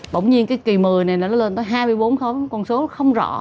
bỗng nhiên cái kỳ một mươi này nó lên tới hai mươi bốn con số không rõ